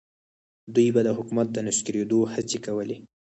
دوی به د حکومت د نسکورېدو هڅې کولې.